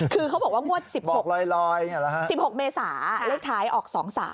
คือเขาบอกว่างวด๑๖ลอย๑๖เมษาเลขท้ายออก๒๓